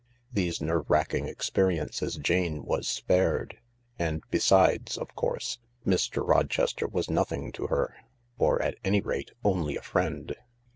These nerve racking experiences Jane was spared. And besides, of course, Mr. Rochester was nothing to her— or, at any rate, only a friend.